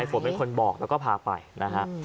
ฝนเป็นคนบอกแล้วก็พาไปนะฮะ